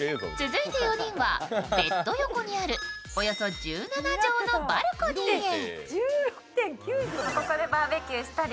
続いて４人はベッド横にあるおよそ１７畳のバルコニーへ。